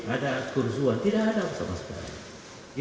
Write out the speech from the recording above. ada kerusuhan tidak ada sama sekali